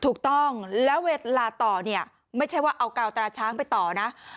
ถูกต้องแล้วเวลาต่อเนี่ยไม่ใช่ว่าเอากาวตราช้างไปต่อนะ